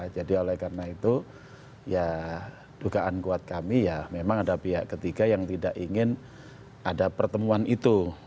jadi oleh karena itu ya dugaan kuat kami ya memang ada pihak ketiga yang tidak ingin ada pertemuan itu